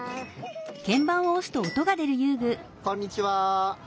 こんにちは。